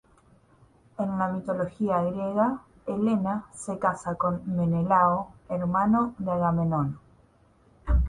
En la mitología griega, Helena se casa con Menelao, hermano de Agamenón.